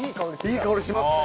いい香りしますね。